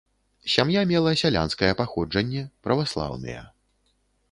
Сям'я мела сялянскае паходжанне, праваслаўныя.